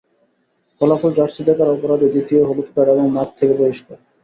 ফলাফল জার্সি দেখার অপরাধে দ্বিতীয় হলুদ কার্ড, এবং মাঠ থেকে বহিষ্কার।